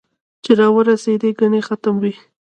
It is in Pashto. چې را ورېسېدې ګنې ختم وې